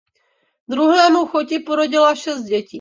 Druhému choti porodila šest dětí.